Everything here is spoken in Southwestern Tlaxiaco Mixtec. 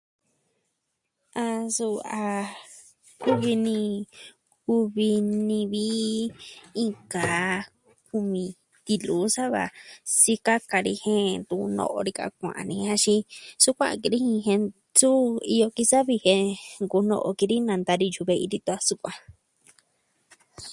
A suu ah... kuvi ni, kuvi ni vi iin kaa kumi tiluu sava sikaka ni jen ntu no'o ni ka kua'an ni axin su kua'an ki ni jin, jen suu iyo ki savi jen nkuu no'o ki ni nanta ni yu'u ve'i ni detun a sukuan.